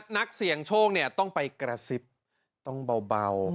นักเสี่ยงโชคต้องไปกระซิบต้องเบา